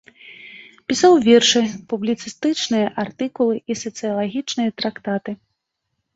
Пісаў вершы, публіцыстычныя артыкулы і сацыялагічныя трактаты.